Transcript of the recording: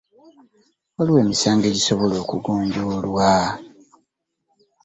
Waliwo emisango egisobola okugonjoolwa.